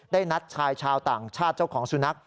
ได้นัดชายชาวต่างชาติเจ้าของสุนัข